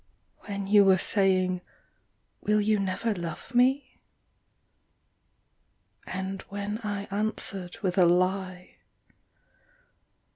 When you were saying, "Will you never love me?" And when I answered with a lie.